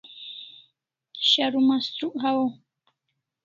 Sharu shurukh hawaw